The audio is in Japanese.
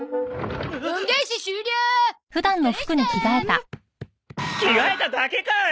着替えただけかい！